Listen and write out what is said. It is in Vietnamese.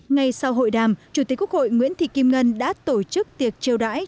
ngay sau hội đàm chủ tịch quốc hội nguyễn thị kim ngân đã tổ chức tiệc trêu đải